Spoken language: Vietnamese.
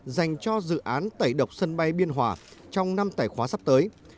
dành cho dự án tẩy độc sân bay biên hòa trong năm tẩy khóa sắp tới